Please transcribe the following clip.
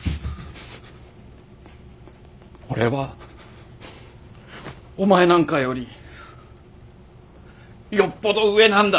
俺はお前なんかよりよっぽど上なんだ。